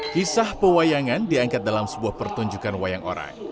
kisah pewayangan diangkat dalam sebuah pertunjukan wayang orang